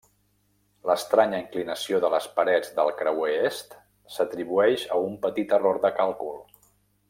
L'estranya inclinació de les parets del creuer est, s'atribueix a un petit error de càlcul.